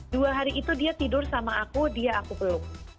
dua hari itu dia tidur sama aku dia aku belum